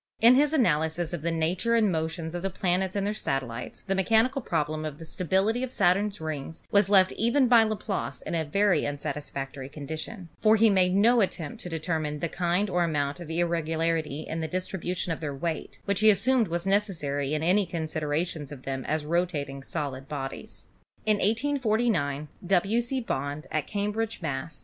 In his analysis of the nature and motions of the planets and their satellites the mechanical problem of the stability of Saturn's rings was left even by Laplace in a very unsatisfactory condition; for he made no attempt to determine the kind or amount of irregularity in the dis tribution of their weight, which he assumed was necessary in any considerations of them as rotating solid bodies. In 1849 W. C. Bond at Cambridge, Mass.